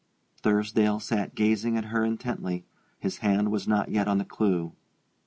Thursdale sat gazing at her intently; his hand was not yet on the clue.